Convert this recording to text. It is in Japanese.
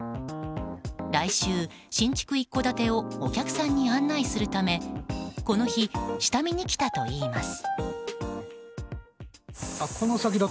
来週、新築一戸建てをお客さんに案内するためこの日、下見に来たといいます。